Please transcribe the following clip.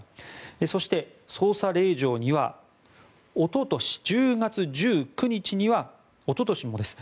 そして、捜査令状にはおととし１０月１９日にはおととしもです